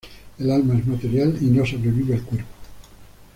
El alma es material y no sobrevive al cuerpo.